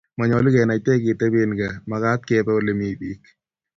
Manyolu kenaite ketepen kaa, makat kepe ole mi pik